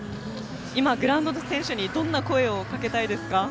グラウンドの選手にどんな声をかけたいですか？